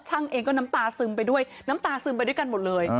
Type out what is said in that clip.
เองก็น้ำตาซึมไปด้วยน้ำตาซึมไปด้วยกันหมดเลย